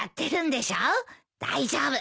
大丈夫。